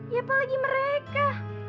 ya apalagi mereka